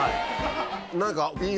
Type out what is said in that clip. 何か。